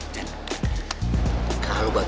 bang harus siap